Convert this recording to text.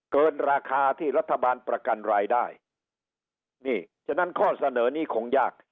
เกินราคาที่รัฐบาลประกันรายได้นี่ฉะนั้นข้อเสนอนี้คงยาก